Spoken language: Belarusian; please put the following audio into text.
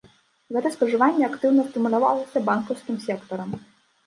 Гэта спажыванне актыўна стымулявалася банкаўскім сектарам.